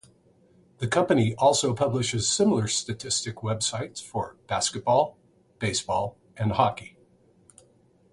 The company also publishes similar statistics websites for basketball, baseball, and hockey.